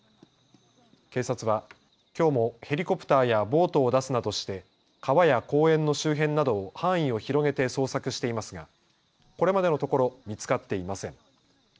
警察はきょうもヘリコプターやボートを出すなどして川や公園の周辺などを範囲を広げて捜索していますがこれまでのところ見つかっていません。